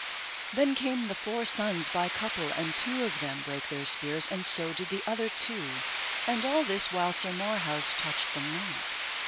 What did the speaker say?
Then came the four sons by couple, and two of them brake their spears, and so did the other two. And all this while Sir Marhaus touched them not.